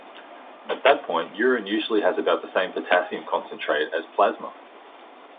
At that point, urine usually has about the same potassium concentration as plasma.